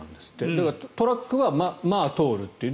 だからトラックは通るという。